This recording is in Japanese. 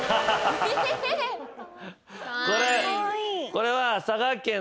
これは。